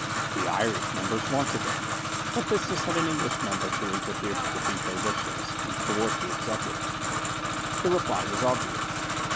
The Irish members wanted it: what business had an English member to interfere to defeat their wishes, and thwart the Executive? The reply was obvious.